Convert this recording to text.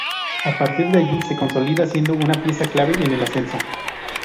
A partir de allí se consolida siendo una pieza clave en el ascenso.